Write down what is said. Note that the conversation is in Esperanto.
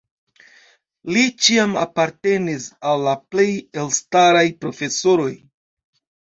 Li ĉiam apartenis al la plej elstaraj profesoroj.